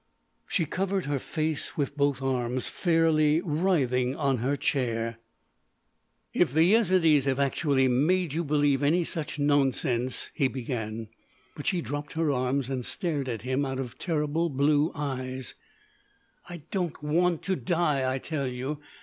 She covered her face with both arms, fairly writhing on her chair. "If the Yezidees have actually made you believe any such nonsense"—he began; but she dropped her arms and stared at him out of terrible blue eyes: "I don't want to die, I tell you!